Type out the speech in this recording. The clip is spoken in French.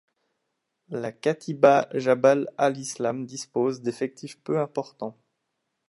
La Katibat Jabal al-Islam dispose d'effectifs peu importants.